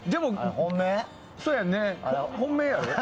本命やろ？